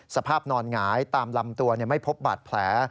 สภาพนอนหงายตามลำตัวไม่พบบาดแผล